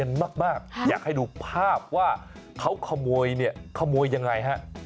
อยากให้ดูภาพว่าเขาขโมยยังไง